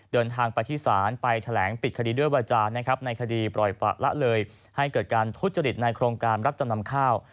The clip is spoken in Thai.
เดินทางไปที่ศาลไปแถลงปิดคดีด้วยวาจารนะครับในคดีปล่อยประละเลยให้เกิดการทุจริตในโครงการรับจำนำข้าว